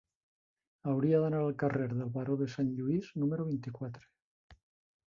Hauria d'anar al carrer del Baró de Sant Lluís número vint-i-quatre.